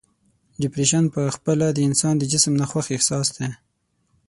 ډپریشن په خپله د انسان د جسم ناخوښ احساس دی.